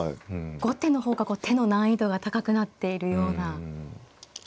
後手の方が手の難易度が高くなっているような。